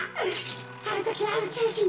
あるときはうちゅうじん。